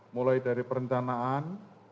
mulai dari perentanaan